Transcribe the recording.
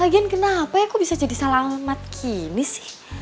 lagian kenapa ya kok bisa jadi salah amat kini sih